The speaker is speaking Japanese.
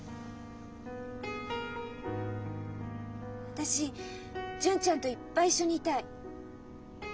私純ちゃんといっぱい一緒にいたい。